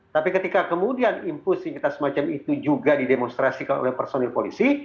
tapi ketika kemudian impulsifitas semacam itu juga didemonstrasikan oleh personil polisi